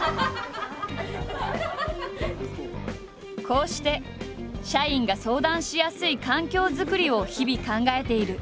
こうして社員が相談しやすい環境作りを日々考えている。